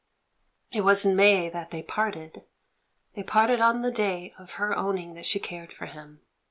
It was in May that they parted; they parted on the day of her owning that she cared for him.